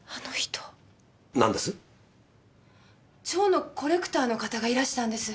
蝶のコレクターの方がいらしたんです。